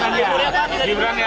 pak gibran ya pak